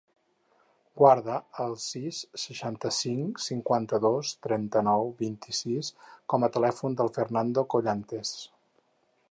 Guarda el sis, seixanta-cinc, cinquanta-dos, trenta-nou, vint-i-sis com a telèfon del Fernando Collantes.